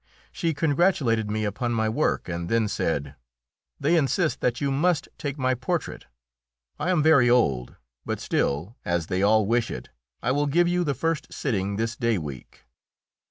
She congratulated me upon my work and then said: "They insist that you must take my portrait. I am very old, but still, as they all wish it, I will give you the first sitting this day week."